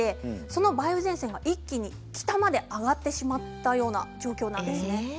その梅雨前線が一気に北まで上がってしまった状況です。